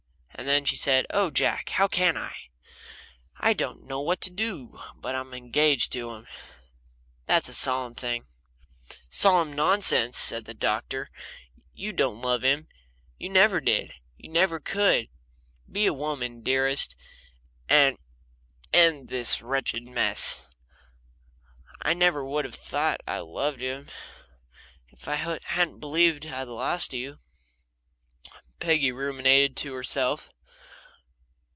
And she said: "Oh, Jack, how can I? I don't know what to do but I'm engaged to him that's a solemn thing." "Solemn nonsense," said the doctor. "You don't love him you never did you never could. Be a woman, dearest, and end this wretched mess." "I never would have thought I loved him if I hadn't believed I'd lost you," Peggy ruminated to herself.